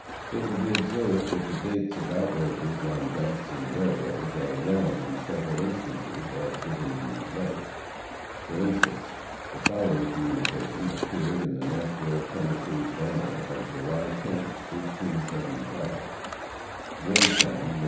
It will be observed that the dates of outrages on banks and railways, are wrong in several instances, as given in these letters. For instance: The following communication appeared in the Nashville (Tenn.) Banner, of July 10th, 1875: RAY TOWN, MO.